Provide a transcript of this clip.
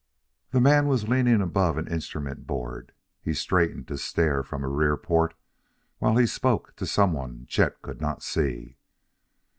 The man was leaning above an instrument board; he straightened to stare from a rear port while he spoke to someone Chet could not see.